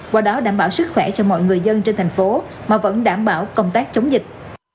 qua đó đảm bảo sức khỏe cho mọi người dân trên thành phố mà vẫn đảm bảo công tác chống dịch